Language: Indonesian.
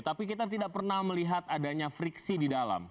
tapi kita tidak pernah melihat adanya friksi di dalam